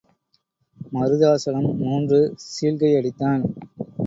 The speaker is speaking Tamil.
மருதாசலம் மூன்று சீழ்க்கையடித்தான்.